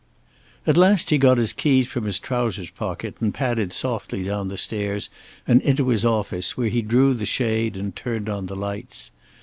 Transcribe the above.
At last he got his keys from his trousers pocket and padded softly down the stairs and into his office, where he drew the shade and turned on the lights.